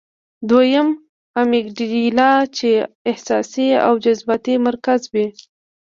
دويمه امېګډېلا چې احساساتي او جذباتي مرکز وي -